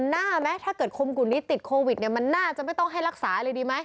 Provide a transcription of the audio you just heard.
นามะถ้าเกิดคมกุลนี้ติดโควิดมันน่าจะไม่ต้องให้รักษาเลยดีไหม